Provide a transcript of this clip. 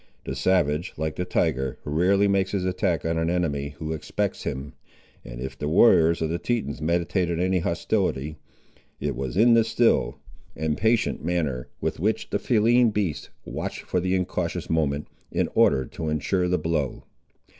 The savage, like the tiger, rarely makes his attack on an enemy who expects him; and if the warriors of the Tetons meditated any hostility, it was in the still and patient manner with which the feline beasts watch for the incautious moment, in order to ensure the blow.